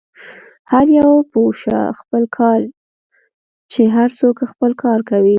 هر یو پوه شه، خپل يې کار، چې هر څوک خپل کار کوي.